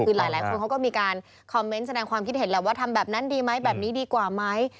คือหลายคนเขาก็มีการคอมเมนต์แสดงความคิดเห็นแหละว่าทำแบบนั้นดีไหมแบบนี้ดีกว่าไหม